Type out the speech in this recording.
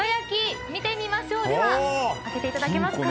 では開けていただけますか。